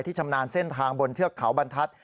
ชำนาญเส้นทางบนเทือกเขาบรรทัศน